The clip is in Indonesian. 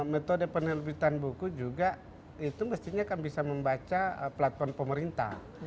metode penerbitan buku juga itu mestinya kan bisa membaca platform pemerintah